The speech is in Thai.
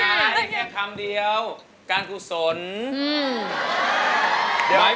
หมายความว่าที่ร้องแบบไหนซักผู้นี้